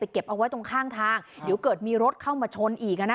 เก็บเอาไว้ตรงข้างทางเดี๋ยวเกิดมีรถเข้ามาชนอีก